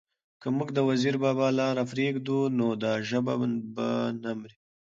که موږ د وزیر بابا لاره پرېږدو؛ نو دا ژبه به نه مري،